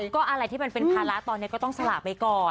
ก็อะไรที่มันเป็นภาระตอนนี้ก็ต้องสละไปก่อน